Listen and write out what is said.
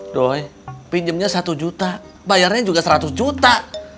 doi pinjemnya satu juta bayarnya juga seratus juta